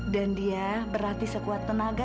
dan dia berarti sekuat tenaga